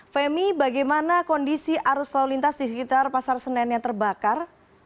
femi bagaimana kondisi arus lalu lintas di sekitar pasar senen yang terbakar